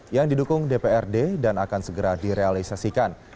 yang didukung dprd dan akan segera direalisasikan